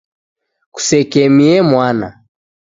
Kusekemie mwana.